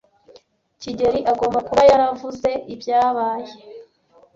kigeli agomba kuba yaravuze ibyabaye.